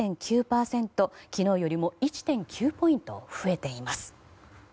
昨日よりも１．９ポイント増えています。